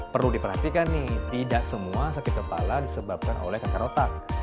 perlu diperhatikan nih tidak semua sakit kepala disebabkan oleh kakak rotak